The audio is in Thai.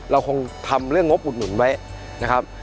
เราคงทำเรื่องงบอุดหนุนไว้นะครับ